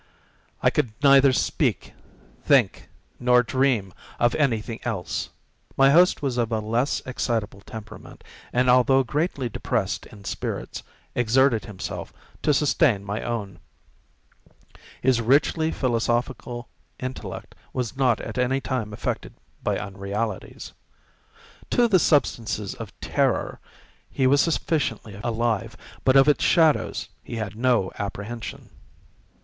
I could neither speak, think, nor dream of any thing else. My host was of a less excitable temperament, and, although greatly depressed in spirits, exerted himself to sustain my own. His richly philosophical intellect was not at any time affected by unrealities. To the substances of terror he was sufficiently alive, but of its shadows he had no apprehension.